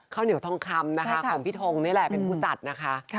ข้าวเหนียวทองคำนะคะของพี่ทงนี่แหละเป็นผู้จัดนะคะ